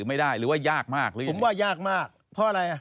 ผมว่ายากมากเพราะอะไร